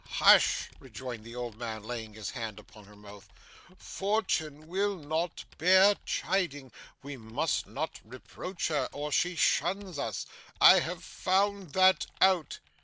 'Hush!' rejoined the old man laying his hand upon her mouth, 'Fortune will not bear chiding. We must not reproach her, or she shuns us; I have found that out.